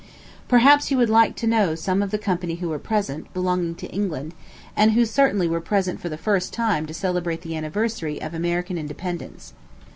Perhaps you would like to know some of the company who were present, belonging to England, and who certainly were present for the first time to celebrate the anniversary of American independence.